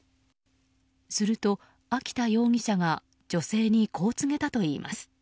すると、秋田容疑者が女性にこう告げたといいます。